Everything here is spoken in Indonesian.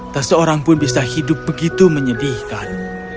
tak seorang pun bisa hidup begitu menyedihkan